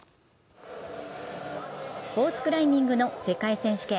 スポーツクライミングの世界選手権。